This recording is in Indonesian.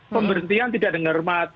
pemberhentian tidak ada ngermat